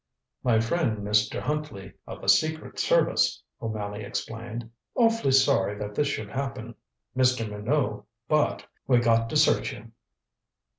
"My friend, Mr. Huntley, of the Secret Service," O'Malley explained. "Awful sorry that this should happen. Mr. Minot but we got to search you."